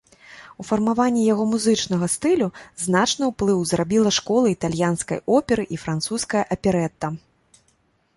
У фармаванні яго музычнага стылю значны ўплыў зрабіла школа італьянскай оперы і французская аперэта.